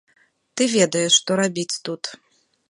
Ты ведаеш, што рабіць тут.